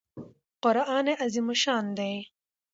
قران عظیم الشان دئ.